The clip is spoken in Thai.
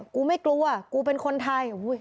กูไม่กลัวกูเป็นคนไทย